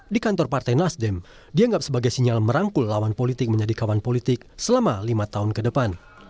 di kantor partai nasdem dianggap sebagai sinyal merangkul lawan politik menjadi kawan politik selama lima tahun ke depan